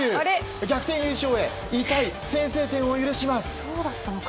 逆転優勝へ痛い先制点を許します。